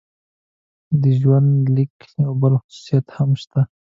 د دې ژوندلیک یو بل خصوصیت هم شته.